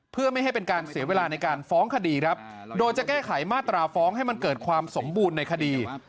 เพื่อไม่ให้เป็นการเสียเวลาในการฟ้องคดีครับโดยจะแก้ไขมาตราฟ้องให้มันเกิดความสมบูรณ์ในคดี